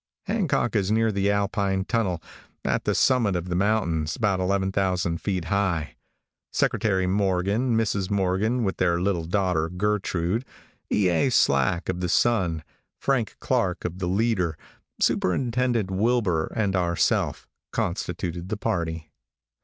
Hancock is near the Alpine tunnel, at the summit of the mountains, about 11,000 feet high. Secretary Morgan, Mrs. Morgan, with their little daughter Gertrude; E. A. Slack, of the Sun, Frank Clark, of the Leader, Superintendent Wilbur and ourself, constituted the party.